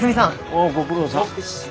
おうご苦労さん。